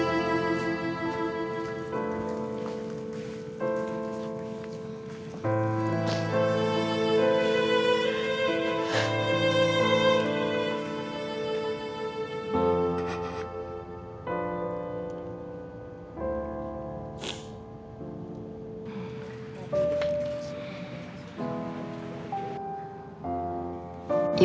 suara kamu indah sekali